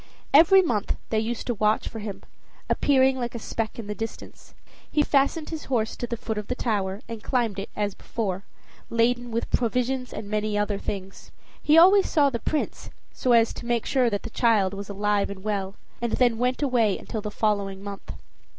Every month they used to watch for him, appearing like a speck in the distance. He fastened his horse to the foot of the tower, and climbed it, as before, laden with provisions and many other things. He always saw the Prince, so as to make sure that the child was alive and well, and then went away until the following month.